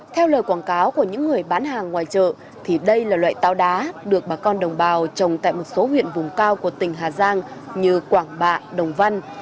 theo lời quảng cáo của những người bán hàng ngoài chợ thì đây là loại tàu đá được bà con đồng bào trồng tại một số huyện vùng cao của tỉnh hà giang như quảng bạ đồng văn